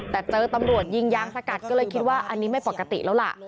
แต่เจอตำรวจยิงยางสกัดก็เลยคิดว่าอันนี้ไม่ปกติแล้วล่ะ